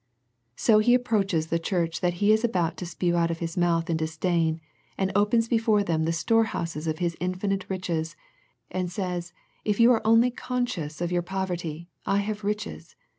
So He approaches the church that He is about to spew out of His mouth in disdain, and opens before them the storehouse of His infinite riches and says If you are only conscious of your poverty, I have riches.